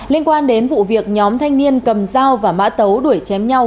liên quan đến vụ việc nhóm thanh niên cầm dao và mã tấu đuổi chém nhau